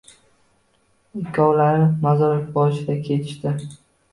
Ikkovlari mozor boshiga ketishdi.